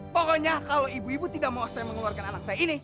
pokoknya kalau ibu ibu tidak mau saya mengeluarkan anak saya ini